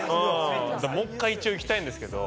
だから、もう１回一応行きたいんですけど。